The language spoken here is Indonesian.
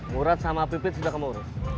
murad sama pipit sudah kamu urus